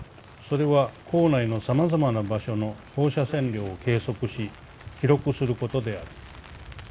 それは校内の様々な場所の放射線量を計測し記録することである。